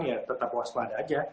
ya tetap waspada aja